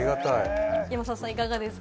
山里さん、いかがですか？